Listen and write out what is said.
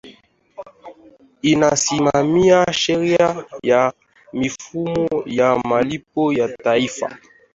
inasimamia sheria ya mifumo ya malipo ya taifa